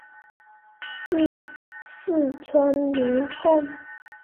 祀四川名宦。